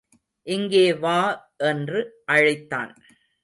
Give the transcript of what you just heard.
இங்கே வா என்று அழைத்தான்.